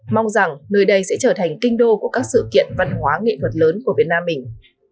mong rằng nơi đây sẽ trở thành kinh đô của các sự kiện văn hóa nghệ thuật lớn của việt nam mình